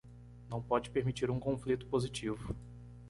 Não pode permitir um conflito positivo